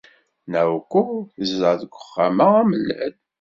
Naoko tezdeɣ deg wexxam-a amellal.